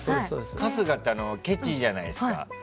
春日ってケチじゃないですか。